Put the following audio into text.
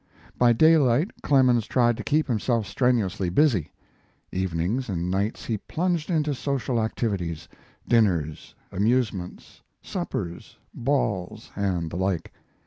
By daylight Clemens tried to keep himself strenuously busy; evenings and nights he plunged into social activities dinners, amusements, suppers, balls, and the like.